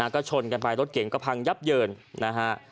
ก็ชนกันไปรถเก่งก็พังยับเยินนะฮะ